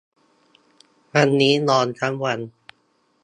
วันนี้นอนทั้งวัน